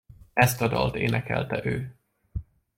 Ezt a dalt énekelte ő!